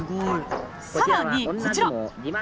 さらに、こちら。